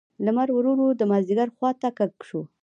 لمر ورو ورو د مازیګر خوا ته کږ شو.